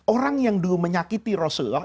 orang yang dulu menyakiti rasulullah